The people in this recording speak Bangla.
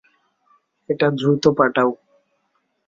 এটা দ্রুত পাঠাও।